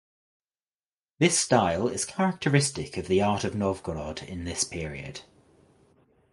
This style is characteristic of the art of Novgorod in this period.